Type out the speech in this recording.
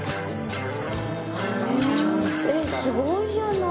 すごいじゃない。